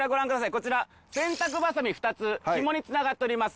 こちら洗濯バサミ２つひもに繋がっております。